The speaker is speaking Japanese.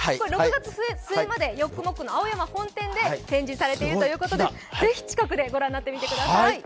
６月末までヨックモック青山本店で展示されているということでぜひ、近くで御覧になってみてください。